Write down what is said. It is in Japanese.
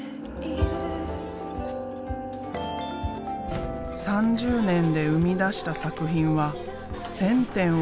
３０年で生み出した作品は１，０００点を超える。